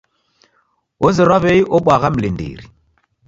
Ozerwa w'ei obwagha mlindiri.